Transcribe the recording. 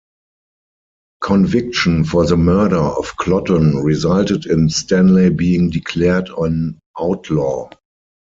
Conviction for the murder of Clotton resulted in Stanley being declared an outlaw.